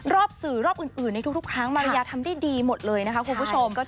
สื่อรอบอื่นในทุกครั้งมาริยาทำได้ดีหมดเลยนะคะคุณผู้ชม